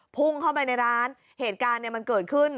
พุ่งเข้าไปในร้านเหตุการณ์เนี่ยมันเกิดขึ้น